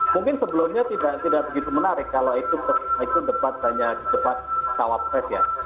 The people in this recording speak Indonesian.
mungkin sebelumnya tidak begitu menarik kalau itu debat hanya debat cawapres ya